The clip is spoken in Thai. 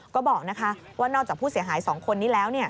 ก็บอกว่านอกจากผู้เสียหาย๒คนนี้แล้ว